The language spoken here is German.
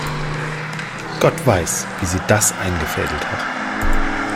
Gott weiß, wie sie das eingefädelt hat.